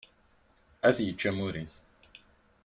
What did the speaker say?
Ad as-yečč amur-is.